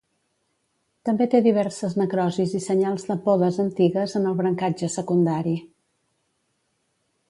També té diverses necrosis i senyals de podes antigues en el brancatge secundari.